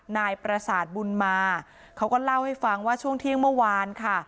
นายประสาทบุญมาเขาก็เล่าให้ฟังว่าช่วงเที่ยงเมื่อวานค่ะ